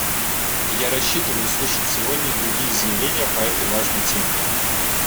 И я рассчитываю услышать сегодня и другие заявления по этой важной теме.